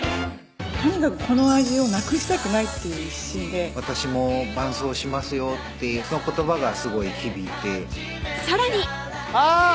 とにかくこの味をなくしたくないっていう一心で「私も伴走しますよ」ってその言葉がすごい響いてさらにあっ！